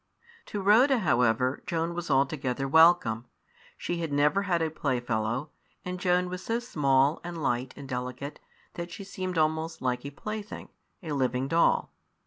To Rhoda, however, Joan was altogether welcome. She had never had a playfellow, and Joan was so small and light and delicate that she seemed almost like a plaything, a living doll.